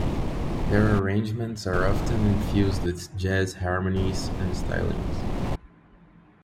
Their arrangements are often infused with jazz harmonies and stylings.